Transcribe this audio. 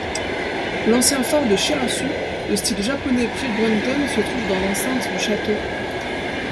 L'ancien phare de Shirasu de style japonais pre-Brunton se trouve dans l'enceinte du château.